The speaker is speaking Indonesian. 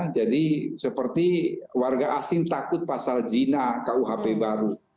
jadi seperti warga asing takut pasal zina kuhp baru